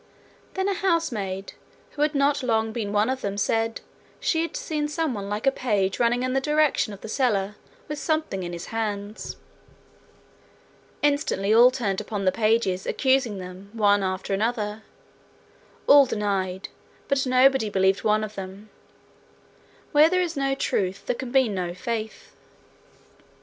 Then a housemaid, who had not long been one of them, said she had seen someone like a page running in the direction of the cellar with something in his hands. Instantly all turned upon the pages, accusing them, one after another. All denied, but nobody believed one of them: Where there is no truth there can be no faith.